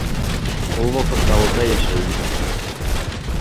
Ул ваҡытта ауылда йәшәй инем әле.